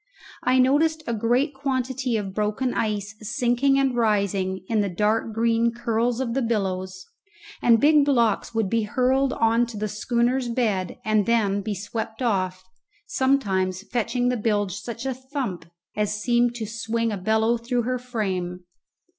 I noticed a great quantity of broken ice sinking and rising in the dark green curls of the billows, and big blocks would be hurled on to the schooner's bed and then be swept off, sometimes fetching the bilge such a thump as seemed to swing a bellow through her frame.